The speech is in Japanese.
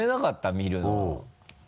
見るの。